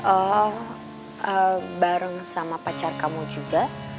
oh bareng sama pacar kamu juga